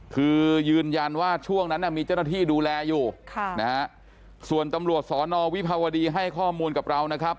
คือยืนยันว่าช่วงนั้นมีเจ้าหน้าที่ดูแลอยู่ค่ะนะฮะส่วนตำรวจสอนอวิภาวดีให้ข้อมูลกับเรานะครับ